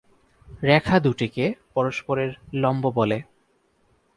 রেখা দুটিকে পরস্পরের লম্ব বলে।